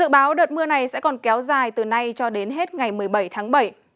báo đợt mưa này sẽ còn kéo dài từ nay cho đến hết ngày một mươi bảy tháng bảy